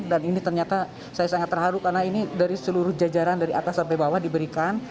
dan ini ternyata saya sangat terharu karena ini dari seluruh jajaran dari atas sampai bawah diberikan